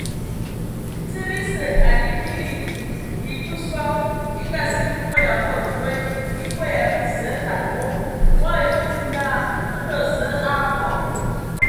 Tsid esǝ, ane nyili e kǝ sɔ, e Ngaa- sili fwe ya bod boe; e fwe ya abə zəə tǝgǝ wog. Bɔ ai Kulu naa : Ndɔ Zǝə a abɔ.